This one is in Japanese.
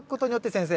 先生。